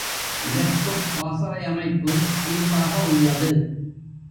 இதற்குப் பாசறை அமைப்பு தீர்வாக உள்ளது.